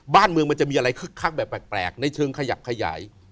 บ้านเมืองมันจะมีอะไรคึกคักแบบแปลกในเชิงขยับขยาย